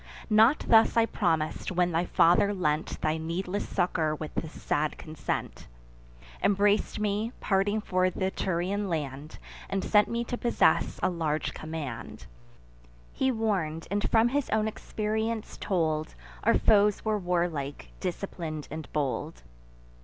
Not thus I promis'd, when thy father lent Thy needless succour with a sad consent; Embrac'd me, parting for th' Etrurian land, And sent me to possess a large command. He warn'd, and from his own experience told, Our foes were warlike, disciplin'd, and bold.